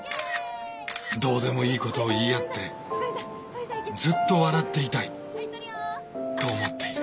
どうでもいいこと言い合ってずっと笑っていたいと思っている。